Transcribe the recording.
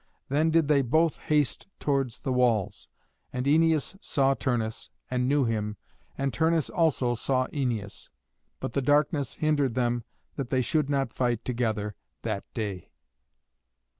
Then did they both haste towards the walls. And Æneas saw Turnus, and knew him, and Turnus also saw Æneas; but the darkness hindered them that they should not fight together that day.